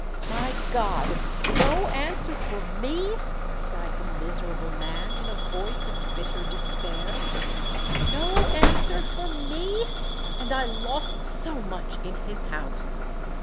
"My God! no answer for me!" cried the miserable man, in a voice of bitter despair. "No answer for me—and I lost so much in his house!